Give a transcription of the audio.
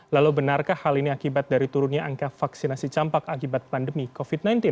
lalu benarkah hal ini akibat dari turunnya angka vaksinasi campak akibat pandemi covid sembilan belas